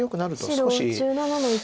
白１７の一。